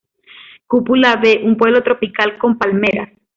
Cúpula B, un pueblo tropical con palmeras.